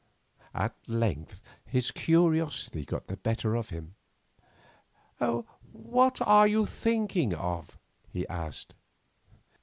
At length his curiosity got the better of him. "What are you thinking of?" he asked.